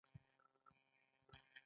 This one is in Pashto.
د استفادې موده یې تر یو کال زیاته وي.